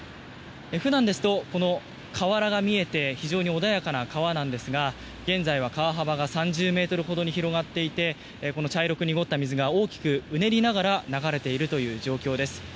普段ですと、河原が見えて非常に穏やかな川なんですが現在は川幅が３０ｍほどに広がっていて茶色く濁った水が大きくうねりながら流れているという状況です。